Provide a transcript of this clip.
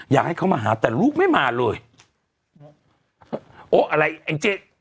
อยากให้เขามาหาแต่ลูกไม่มาเลยโอ๊ะอะไรแองเจ๊